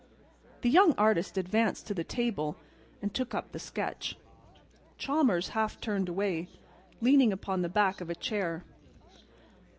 The young artist advanced to the table and took up the sketch. Chalmers half turned away, leaning upon the back of a chair.